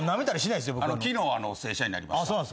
昨日正社員なりました。